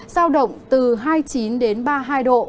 giao động từ hai mươi chín đến ba mươi hai độ